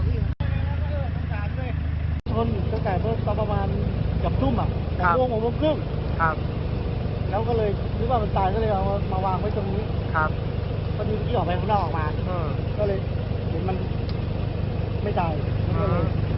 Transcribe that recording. มีที่ออกมาอีกมันไม่ตาย